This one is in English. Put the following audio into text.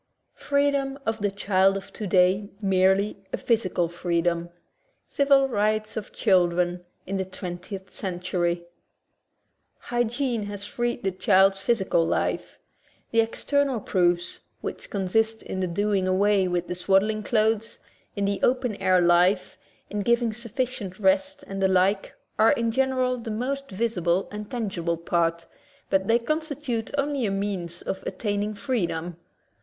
Freedom of the Child of Today Merely* a Physical Freedom — Civil Rights of Children in the Twentieth Century Hygiene has freed the child's physical life. The external proofs, which consist in the do ing away with the swaddling clothes, in the open air life, in giving sufficient rest, and the like, are, in general, the most visible and tangible part, but they constitute only a means of attaining freedom.